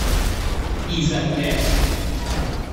ایزدگشسب